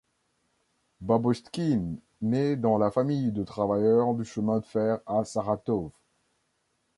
Babotchkine naît dans la famille de travailleur du chemin de fer à Saratov.